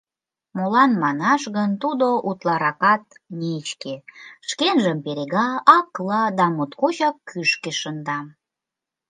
Молан манаш гын тудо утларакат нечке, шкенжым перега, акла да моткочак кӱшкӧ шында.